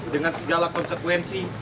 dengan segala konsekuensi